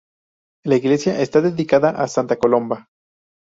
La iglesia está dedicada a santa Colomba.